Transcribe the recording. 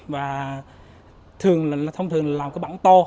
và thông thường là làm cái bảng to